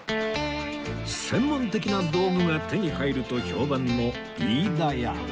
専門的な道具が手に入ると評判の飯田屋